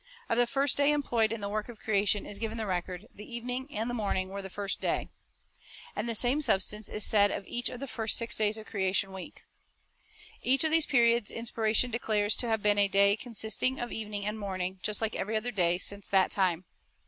Of the first day employed in the work of creation is given the record, "The evening and the morningr were the first day." 1 And the same in Bible Record & J of the substance is said of each of the first six days of creation creation week. Each of these periods Inspiration declares to have been a day consisting of evening and morning, like every other day since that time.